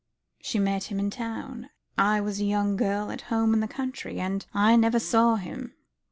She met him in town. I was a young girl at home in the country, and I never saw him.